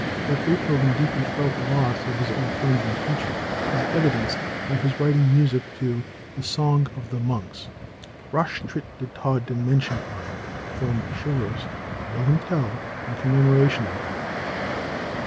That Beethoven deeply felt the loss of his old friend and teacher is evidenced by his writing music to the Song of the monks, Rasch tritt der Tod den Menschen an, from Schiller's Wilhelm Tell, in commemoration of him.